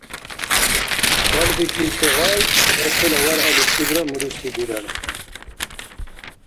Балбикибси гъай мирхъила варъаличибра муриси бирар.